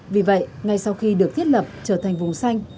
vì vậy ngay sau khi được thiết lập trở thành vùng xanh